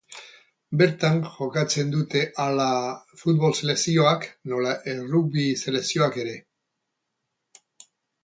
Bertan jokatzen dute hala futbol selekzioak nola errugbi selekzioak ere.